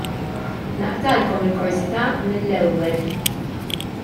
Naqtgħalkom il-kurżità mill-ewwel.